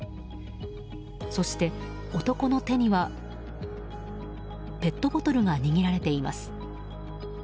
そして、男の手にはペットボトルが握られています。